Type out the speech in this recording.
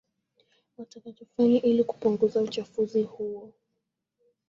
watakachofanya ili kupunguza uchafuzi huo